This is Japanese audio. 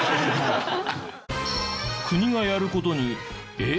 国がやる事にえっ！？